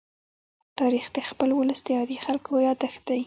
تاریخ د خپل ولس د عادي خلکو يادښت دی.